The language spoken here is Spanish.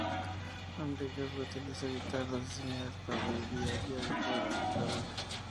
Andrew York utiliza guitarras diseñadas por David diaria y cuerdas La Bella.